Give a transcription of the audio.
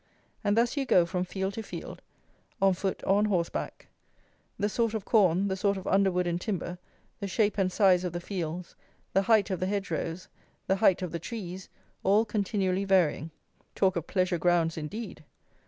And thus you go from field to field (on foot or on horseback), the sort of corn, the sort of underwood and timber, the shape and size of the fields, the height of the hedge rows, the height of the trees, all continually varying. Talk of pleasure grounds indeed!